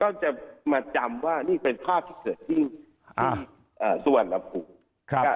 ก็จะมาจำว่านี่เป็นภาพที่เกิดขึ้นที่สุวรรณภูมิ